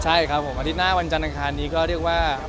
ใช่ครับผมอาทิตย์หน้าวันจันทร์อังคารนี้ก็เรียกว่า